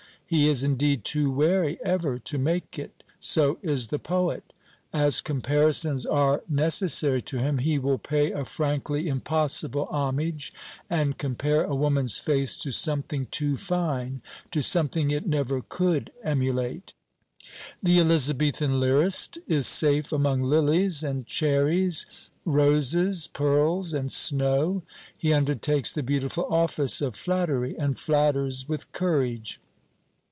He is indeed too wary ever to make it. So is the poet. As comparisons are necessary to him, he will pay a frankly impossible homage, and compare a woman's face to something too fine, to something it never could emulate. The Elizabethan lyrist is safe among lilies and cherries, roses, pearls, and snow. He undertakes the beautiful office of flattery, and flatters with courage.